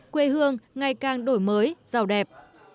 quê hương ngày càng đổi mới giàu đẹp